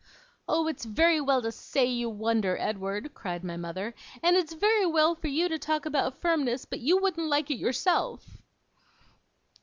'Oh, it's very well to say you wonder, Edward!' cried my mother, 'and it's very well for you to talk about firmness, but you wouldn't like it yourself.